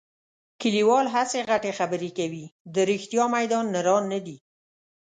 کلیوال هسې غټې خبرې کوي. د رښتیا میدان نران نه دي.